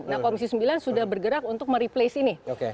nah komisi sembilan sudah bergerak untuk mereplace ini